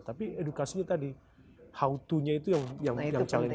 tapi edukasinya tadi how to nya itu yang challenge